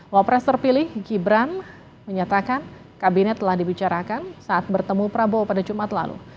wapres terpilih gibran menyatakan kabinet telah dibicarakan saat bertemu prabowo pada jumat lalu